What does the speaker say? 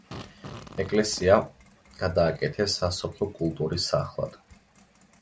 ეკლესია გადააკეთეს სასოფლო კულტურის სახლად.